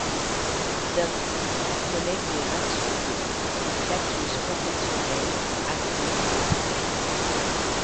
Daim, collègue de Ratsuko et flatteuse professionnelle, accro aux selfies.